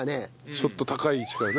ちょっと高い位置からね。